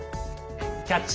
「キャッチ！